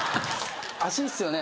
足っすよね。